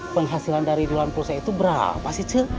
penghasilan dari duluan pulsa itu berapa sih